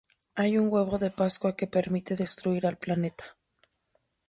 Hay un Huevo de Pascua que permite destruir al planeta.